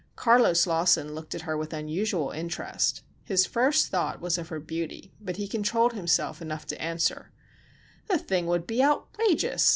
Carlos Lawson looked at her with unusual interest. His first thought was of her beauty but he controlled himself enough to answer: "The thing would be outrageous!"